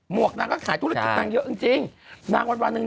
หมวกนางก็ขายธุรกิจนางเยอะจริง